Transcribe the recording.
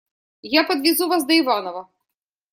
Я подвезу вас до Иваново.